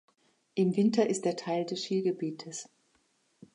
Im Winter ist er Teil des Skigebietes.